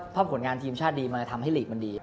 ถ้าผลงานทีมชาติดีมันจะทำให้ลีกมันดี